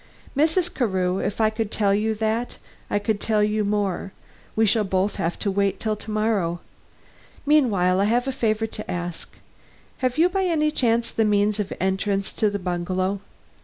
"Mrs. Carew, if I could tell you that, I could tell you more; we shall both have to wait till to morrow. Meanwhile, I have a favor to ask. Have you by any chance the means of entrance to the bungalow?